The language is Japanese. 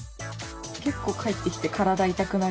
結構帰ってきて体痛くなるよね。